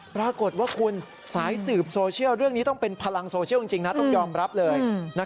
ปรากฏว่าคุณสายสืบโซเชียลเรื่องนี้ต้องเป็นพลังโซเชียลจริงนะต้องยอมรับเลย